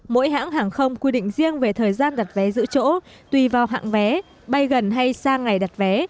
mỗi hãng hàng không quy định riêng về thời gian đặt vé giữ chỗ tùy vào hãng vé bay gần hay sang ngày đặt vé